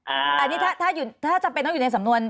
อันนี้ถ้าจำเป็นต้องอยู่ในสำนวน